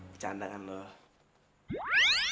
bercanda kan lo